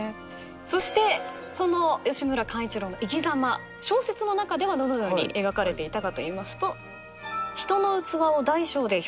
そしてその吉村貫一郎の生きざま小説の中ではどのように描かれていたかといいますと。